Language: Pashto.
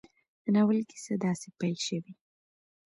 د ناول کيسه داسې پيل شوې